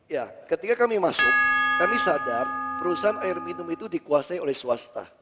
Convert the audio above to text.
ya ketika kami masuk kami sadar perusahaan air minum itu dikuasai oleh swasta